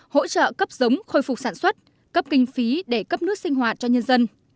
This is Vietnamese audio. hỗ trợ cấp giống khôi phục sản xuất cấp kinh phí để cấp nước sinh hoạt cho nhân dân